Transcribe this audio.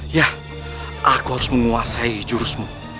ya aku harus menguasai jurusmu